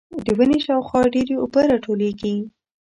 د ونې شاوخوا ډېرې اوبه راټولېږي.